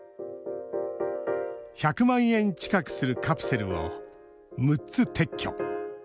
１００万円近くするカプセルを６つ撤去。